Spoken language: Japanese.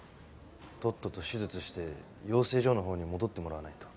とっとと手術して養成所のほうに戻ってもらわないと。